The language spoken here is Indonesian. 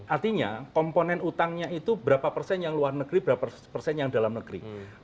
artinya komponen utangnya itu berapa persen yang luar negeri berapa persen yang dalam negeri